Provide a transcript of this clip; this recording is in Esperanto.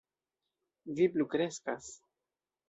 Vi plu kreskas.